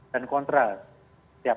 dan kontrol setiap